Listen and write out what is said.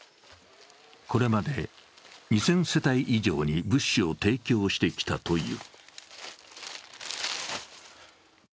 これまで２０００世帯以上に物資を提供してきたという。